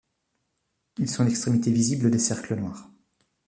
Ils sont l’extrémité visible des cercles noirs.